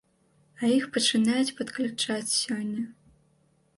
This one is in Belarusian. А іх пачынаюць падключаць сёння.